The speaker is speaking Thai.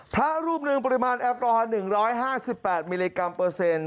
พระรูปหนึ่งปริมาณแอลกอฮอล๑๕๘มิลลิกรัมเปอร์เซ็นต์